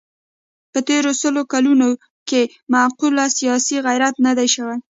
په تېرو سلو کلونو کې معقول سیاسي غیرت نه دی شوی.